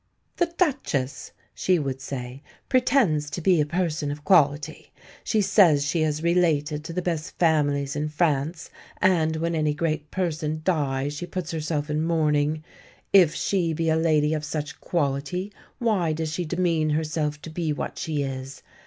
"The Duchess," she would say, "pretends to be a person of quality. She says she is related to the best families in France; and when any great person dies she puts herself in mourning. If she be a lady of such quality, why does she demean herself to be what she is?